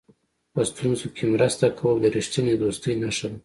په ستونزو کې مرسته کول د رښتینې دوستۍ نښه ده.